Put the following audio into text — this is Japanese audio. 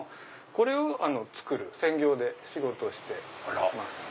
これを作る専業で仕事をしてます。